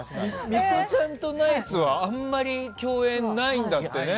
ミトちゃんとナイツはあんまり共演ないんだってね。